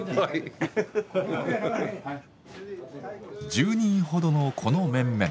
１０人ほどのこの面々。